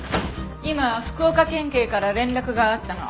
今福岡県警から連絡があったの。